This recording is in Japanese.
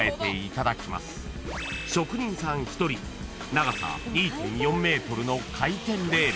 ［長さ２．４ｍの回転レール］